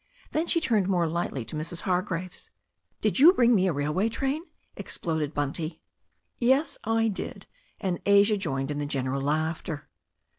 Then she turned more lightly to Mrs. Hargraves. 'Did you bring me a railway train?" exploded Bunty. 'Yes, I did." And Asia joined in the general laughter.